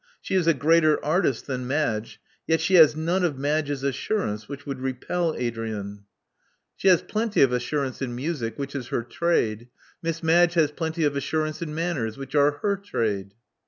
She is a greater artist than Madge: yet she has none of Madge's assurance, which would repel Adrian." Love Among the Artists 255 She has plenty of assurance in music, which is her trade. Miss Madge has plenty of assurance in manners, which are her trade."